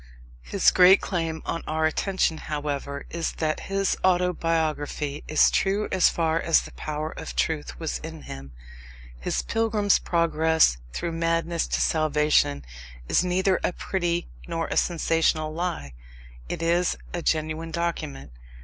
His great claim on our attention, however, is that his autobiography is true as far as the power of truth was in him. His pilgrim's progress through madness to salvation is neither a pretty nor a sensational lie. It is a genuine document.